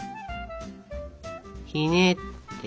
ひねって。